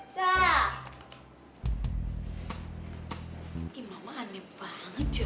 coba coba ini béo ini bener banget ya